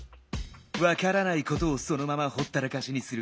わからないことをそのままほったらかしにする。